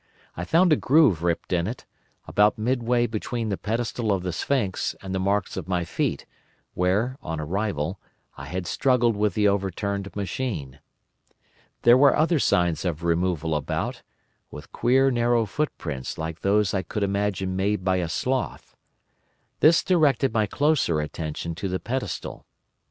I found a groove ripped in it, about midway between the pedestal of the sphinx and the marks of my feet where, on arrival, I had struggled with the overturned machine. There were other signs of removal about, with queer narrow footprints like those I could imagine made by a sloth. This directed my closer attention to the pedestal.